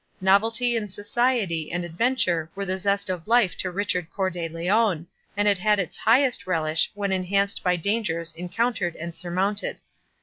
Novelty in society and adventure were the zest of life to Richard Cœur de Lion, and it had its highest relish when enhanced by dangers encountered and surmounted.